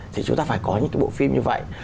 thì chúng ta phải có những cái bộ phim như vậy